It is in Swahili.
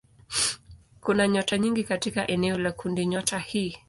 Kuna nyota nyingi katika eneo la kundinyota hii.